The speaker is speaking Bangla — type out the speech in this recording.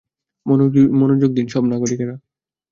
মনোযোগ দিন, সব নাগরিকেরা।